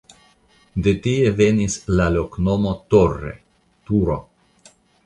De tie venis la loknomo "Torre" (turo).